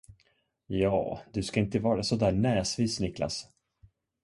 Jaa, du skall inte vara så där näsvis, Niklas.